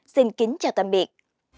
xin kính chào tạm biệt